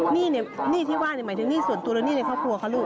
หนี้ที่ว่าหมายถึงหนี้ส่วนตัวหรือหนี้ในครอบครัวครับลูก